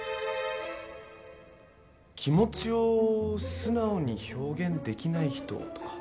気持ちを素直に表現できない人とか？